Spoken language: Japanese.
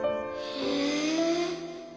へえ！